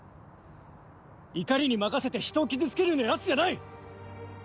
怒りに任せてひとを傷つけるようなヤツじゃない！